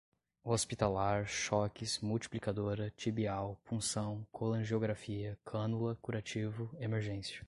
hospitalar, choques, multiplicadora, tibial, punção, colangiografia, cânula, curativo, emergência